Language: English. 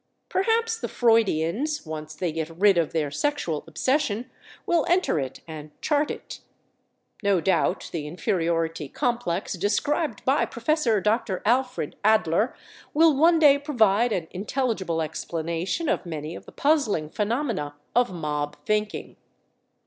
Perhaps the Freudians, once they get rid of their sexual obsession, will enter it and chart it. No doubt the inferiority complex described by Prof. Dr. Alfred Adler will one day provide an intelligible explanation of many of the puzzling phenomena of mob thinking.